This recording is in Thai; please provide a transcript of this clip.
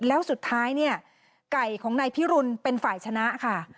แล้วสุดท้ายเนี่ยไก่ของนายพิรุณเป็นฝ่ายชนะค่ะ